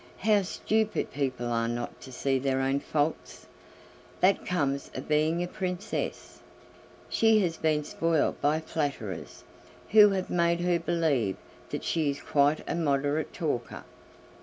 How stupid people are not to see their own faults! That comes of being a princess: she has been spoiled by flatterers, who have made her believe that she is quite a moderate talker!"